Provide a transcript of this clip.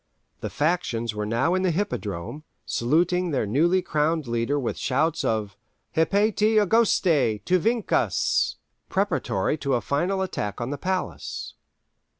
The factions were now in the Hippodrome, saluting their newly crowned leader with shouts of "Hypatie Auguste, tu vincas," preparatory to a final attack on the palace.